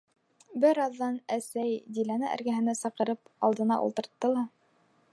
Бер аҙҙан әсәй, Диләне эргәһенә саҡырып, алдына ултыртты ла: